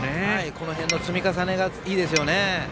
この辺の積み重ねがいいですよね。